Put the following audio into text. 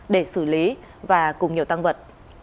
để xử lý và cùng nhiều tăng vật